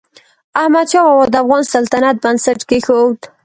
احمدشاه بابا د افغان سلطنت بنسټ کېښود.